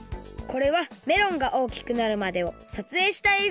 これはメロンがおおきくなるまでをさつえいしたえい